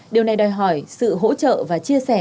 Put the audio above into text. điều này đòi hỏi sự hỗ trợ và chia sẻ